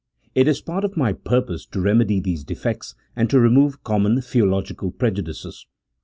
It is part of my purpose to remedy these defects, and to remove common theological prejudices.